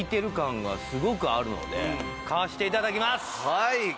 はい！